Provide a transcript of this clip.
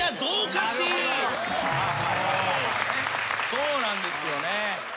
そうなんですよね。